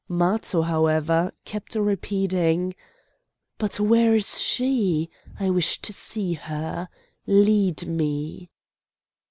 Matho, however, kept repeating: "But where is she? I wish to see her! Lead me!"